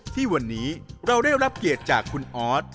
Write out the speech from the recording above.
ที่วันนี้เราได้รับเกียรติจากคุณออส